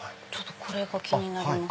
これが気になります。